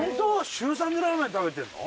週３でラーメン食べてるの？